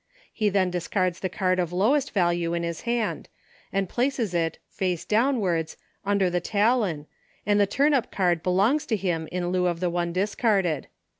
He then dis cards the card of lowest value in his hand, and places it, face downwards, under the talon, and the turn up card belongs to him in lieu of the one discarded.